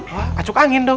wah asuk angin dong